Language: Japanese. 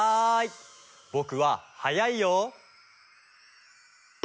ぼくははやいよ。